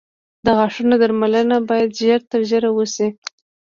د غاښونو درملنه باید ژر تر ژره وشي.